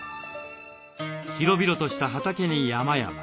広々とした畑に山々。